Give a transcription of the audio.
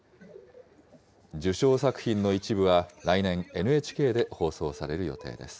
受賞作品の一部は、来年、ＮＨＫで放送される予定です。